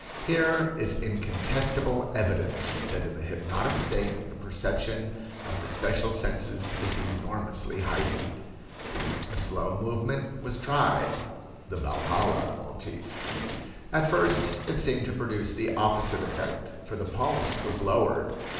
Here is incontestable evidence that in the hypnotic state the perception of the special senses is enormously heightened. A slow movement was tried (the Valhalla motif). At first it seemed to produce the opposite effect, for the pulse was lowered.